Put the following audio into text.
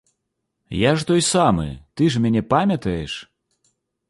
Я ж той самы, ты ж мяне памятаеш?